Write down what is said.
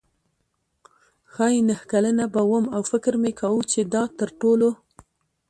ښايي نهه کلنه به وم او فکر مې کاوه چې دا تر ټولو.